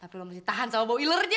tapi lo masih tahan sama bowiler aja